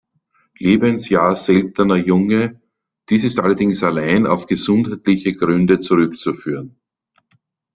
Lebensjahr seltener Junge, dies ist allerdings allein auf gesundheitliche Gründe zurückzuführen.